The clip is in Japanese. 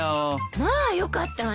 まあよかったわね。